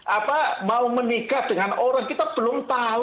apa mau menikah dengan orang kita belum tahu